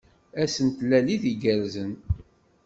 Ass n tlalit igerrzen!